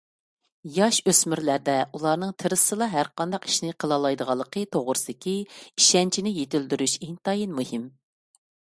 ياش-ئۆسمۈرلەردە ئۇلارنىڭ تىرىشسىلا ھەرقانداق ئىشنى قىلالايدىغانلىقى توغرىسىدىكى ئىشەنچىنى يېتىلدۈرۈش ئىنتايىن مۇھىم.